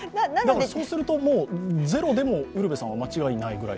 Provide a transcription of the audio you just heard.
そうすると、ゼロでもウルヴェさんは間違いないぐらい。